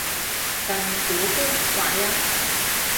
近古官話音